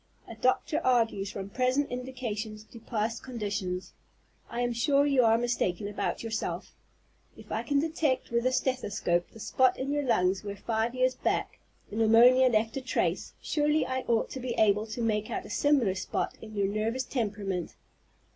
A doctor argues from present indications to past conditions. I am sure you are mistaken about yourself. If I can detect with the stethoscope the spot in your lungs where five years back pneumonia left a trace, surely I ought to be able to make out a similar spot in your nervous temperament.